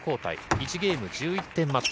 １ゲーム１１点マッチ。